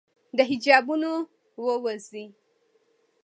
د حجابونو ووزي